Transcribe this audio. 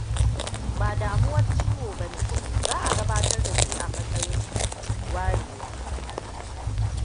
"""Ba damuwan ciwo ba ne"" za a gabatar da shi a matsayin ""Warewa""."